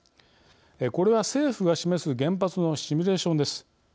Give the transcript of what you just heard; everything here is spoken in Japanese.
これは政府が示す原発のシミュレーションです。